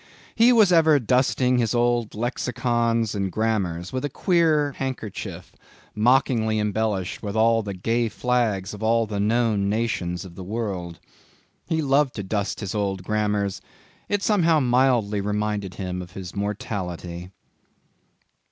He was ever dusting his old lexicons and grammars, with a queer handkerchief, mockingly embellished with all the gay flags of all the known nations of the world. He loved to dust his old grammars; it somehow mildly reminded him of his mortality.